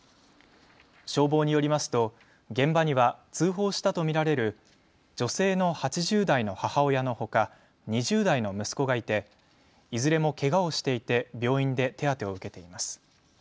消防によりますと現場には通報したと見られる女性の８０代の母親のほか２０代の息子がいていずれもけがをしていて病院で手当てを受けています。